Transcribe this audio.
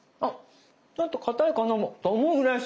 ちょっとかたいかなと思うぐらいしっかりしてる。